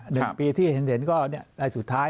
หนึ่งปีที่เห็นก็ในสุดท้าย